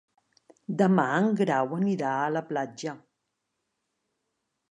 Demà en Grau anirà a la platja.